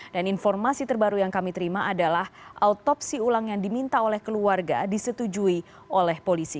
informasi terbaru yang kami terima adalah autopsi ulang yang diminta oleh keluarga disetujui oleh polisi